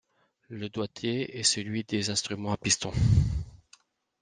Le doigté est celui des instruments à pistons.